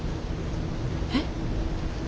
えっ？